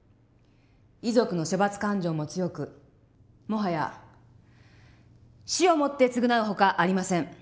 遺族の処罰感情も強くもはや死をもって償うほかありません。